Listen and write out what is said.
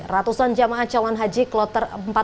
ratusan jemaah calon haji kloter empat puluh lima